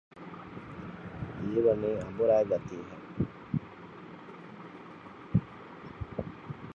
ހީވަނީ އަނބުރައިގަތީ ހެން